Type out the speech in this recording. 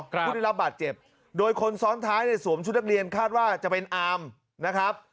ผู้ได้รับบาดเจ็บโดยคนซ้อนท้ายในสวมชุดนักเรียนคาดว่าจะเป็นอามนะครับ